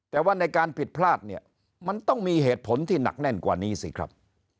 แต่ว่าในการผิดพลาดเนี่ยมันต้องมีเหตุผลที่หนักแน่นกว่านี้สิครับ